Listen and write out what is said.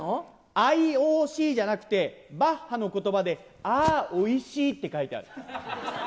ＩＯＣじゃなくて、バッハのことばで、ああおいしいって書いてある。